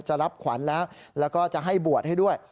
จะรับขวัญแล้วก็ให้บวชให้ด้วย